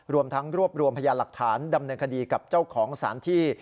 รวมทั้งรวบรวมพยานหลักฐานดำเนินคดีกับเจ้าของสารที่